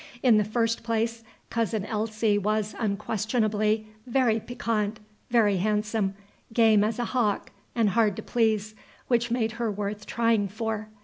In the first place, Cousin Elsie was, unquestionably, very piquant, very handsome, game as a hawk, and hard to please, which made her worth trying for.